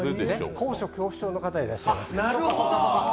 高所恐怖症の方いらっしゃいますから。